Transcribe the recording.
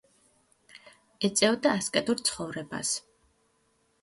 ეწეოდა ასკეტურ ცხოვრებას.